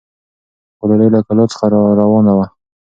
ګلالۍ له کلا څخه راروانه وه.